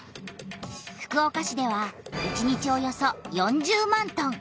福岡市では１日およそ４０万トン！